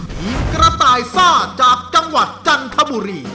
ทีมกระต่ายซ่าจากจังหวัดจันทบุรี